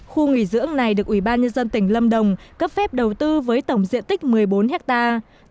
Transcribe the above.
khu nghỉ dưỡng này được ủy ban nhân dân tỉnh lâm đồng cấp phép đầu tư với tổng diện tích một mươi bốn hectare